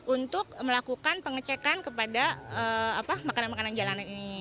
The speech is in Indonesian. untuk melakukan pengecekan kepada makanan makanan jalanan ini